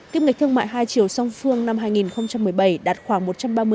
tiếp nghịch thương mại hai chiều song phương năm hai nghìn một mươi bảy